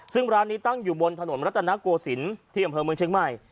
ซึ่งร้านนี้ตั้งอยู่บนถนนรัตนโกศิลป์ที่อำเภอเมืองเชียงใหม่